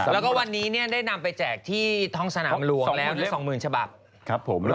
แล้วก็วันนี้เนี่ยได้นำไปแจกที่ท้องสนามหลวงแล้วหรือ๒๐๐๐ฉบับครับผม